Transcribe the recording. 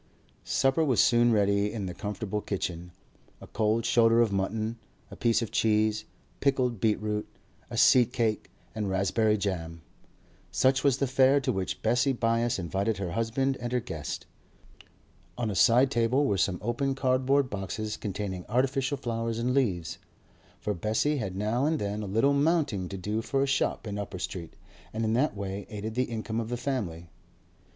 Supper was soon ready in the comfortable kitchen. A cold shoulder of mutton, a piece of cheese, pickled beetroot, a seed cake, and raspberry jam; such was the fare to which Bessie Byass invited her husband and her guest. On a side table were some open cardboard boxes containing artificial flowers and leaves; for Bessie had now and then a little 'mounting' to do for a shop in Upper Street, and in that way aided the income of the family.